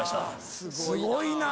すごいな！